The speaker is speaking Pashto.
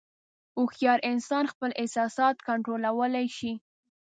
هوښیار انسان خپل احساسات کنټرولولی شي.